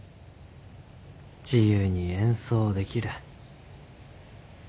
自由に演奏できる。